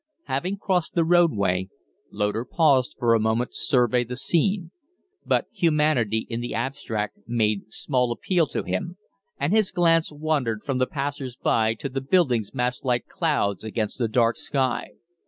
Having crossed the roadway, Loder paused for a moment to survey the scene. But humanity in the abstract made small appeal to him, and his glance wandered from the passers by to the buildings massed like clouds against the dark sky.